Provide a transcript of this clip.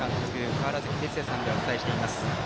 川原崎哲也さんでお伝えしています。